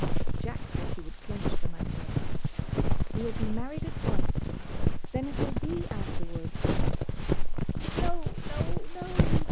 Jack thought he would clinch the matter. "We'll be married at once. Then it'll be afterwards." "No, no, no!!"